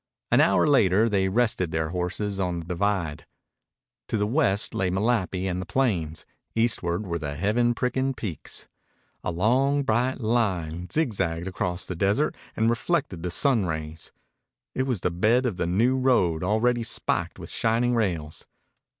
An hour later they rested their horses on the divide. To the west lay Malapi and the plains. Eastward were the heaven pricking peaks. A long, bright line zig zagged across the desert and reflected the sun rays. It was the bed of the new road already spiked with shining rails.